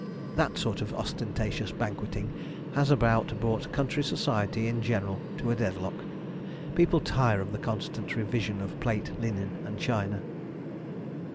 That sort of ostentatious banqueting has about brought country society in general to a deadlock. People tire of the constant revision of plate, linen, and china.